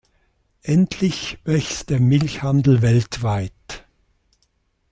Endlich wächst der Milchhandel weltweit...